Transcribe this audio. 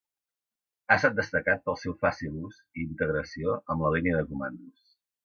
Ha estat destacat pel seu fàcil ús i integració amb la línia de comandos.